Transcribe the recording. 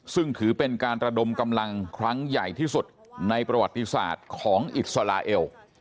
ซึ่งถือเป็นการระดมกำลังครั้งใหญ่ที่สุดในประวัติศาสตร์ของอิสราเอล